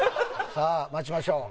さあ待ちましょう。